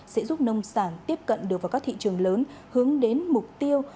sẽ giúp nông sản tiếp cận được vào các thị trường lớn hướng đến mục tiêu